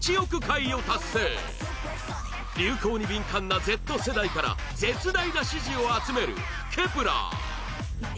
流行に敏感な Ｚ 世代から絶大な支持を集める Ｋｅｐ１ｅｒ